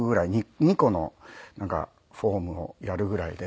２個のフォームをやるぐらいで。